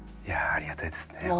いやありがたいですね。